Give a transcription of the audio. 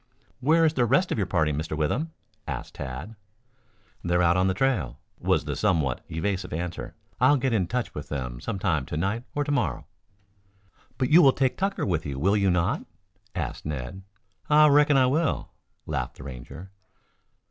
"Where is the rest of your party, Mr. Withem?" asked Tad. "They're out on the trail," was the somewhat evasive answer. "I'll get in touch with them sometime to night or to morrow." "But you will take Tucker with you, will you not?" asked Ned. "I reckon I will," laughed the Ranger.